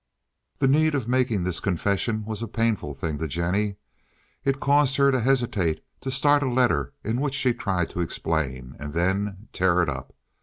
The need of making this confession was a painful thing to Jennie. It caused her to hesitate, to start a letter in which she tried to explain, and then to tear it up.